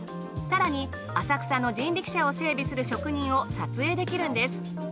更に浅草の人力車を整備する職人を撮影できるんです。